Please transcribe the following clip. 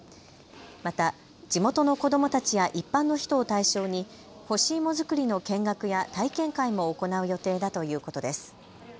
また地元の子どもたちや一般の人を対象に干し芋作りの見学や体験会も行う予定だということです。